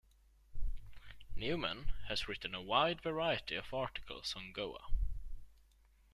Newman has written a wide variety of articles on Goa.